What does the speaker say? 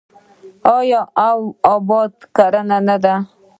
آیا او اباد کړی نه دی؟